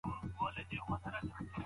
په ناولونو کي ټولنیزې ستونزې بیان سوي دي.